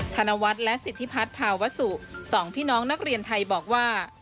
ธนวัฒน์และสิทธิพัฒน์ภาวสุ๒พี่น้องนักเรียนไทยบอกว่า